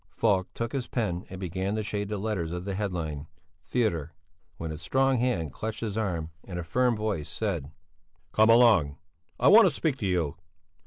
Falk took his pen and began to shade the letters of the headline "Theatre," when a strong hand clutched his arm and a firm voice said: "Come along, I want to speak to you!"